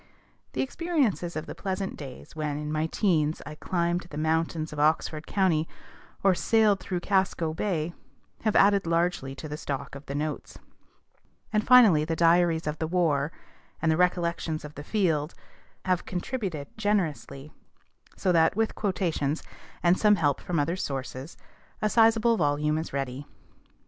The experiences of the pleasant days when, in my teens, I climbed the mountains of Oxford County, or sailed through Casco Bay, have added largely to the stock of notes; and finally the diaries of "the war," and the recollections of "the field," have contributed generously; so that, with quotations, and some help from other sources, a sizable volume is ready.